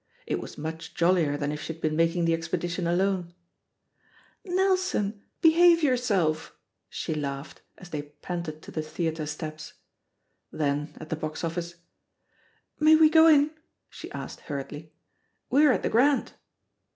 It was much jollier than if she had been making the expedi tion alone. "Nelson 1 behave yourself," she laughed as they 152 THE POSITION OF PEGGY HARPER panted to the theatre steps. Then, at the box office^ "May we go in?'* she asked hurriedly; *Ve're at tlie Grand."